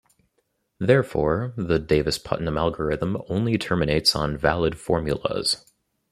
Therefore, the Davis-Putnam algorithm only terminates on valid formulas.